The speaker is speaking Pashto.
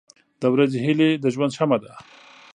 • د ورځې هیلې د ژوند شمع ده.